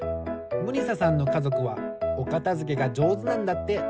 ムニサさんのかぞくはおかたづけがじょうずなんだって。